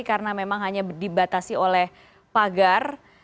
karena memang hanya dibatasi oleh pagar